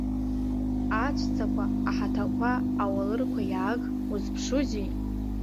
Аҵәцақәа, аҳаҭақәа, ауалырқәа, иааг, узԥшузеи!